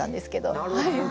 あなるほど。